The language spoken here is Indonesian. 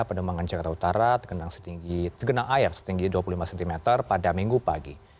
pademangan jakarta utara tergenang air setinggi dua puluh lima cm pada minggu pagi